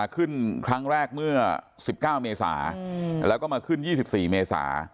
ขึ้นครั้งแรกเมื่อ๑๙เมษาแล้วก็มาขึ้น๒๔เมษา